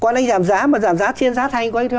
quan anh giảm giá mà giảm giá trên giá thành của anh